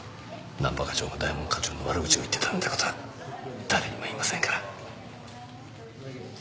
難波課長が大門課長の悪口を言ってたなんて事は誰にも言いませんから。